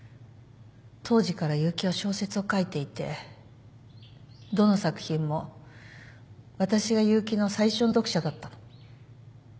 当時から結城は小説を書いていてどの作品も私が結城の最初の読者だったの。